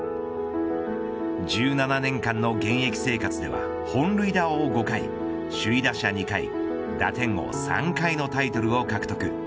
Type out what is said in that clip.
１７年間の現役生活では本塁打王を５回首位打者２回打点王３回のタイトルを獲得。